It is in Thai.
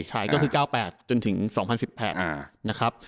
ใช้ก็คือ๙๘จนถึง๒๐๑๘นะครับ